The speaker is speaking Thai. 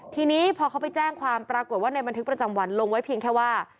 ทีนี้พอเขาไปแจ้งความปรากฏว่าในบันทึกประจำวันลงไว้เพียงแค่ว่า